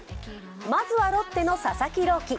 まずはロッテの佐々木朗希。